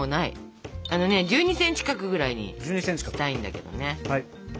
１２ｃｍ角ぐらいにしたいんだけどね。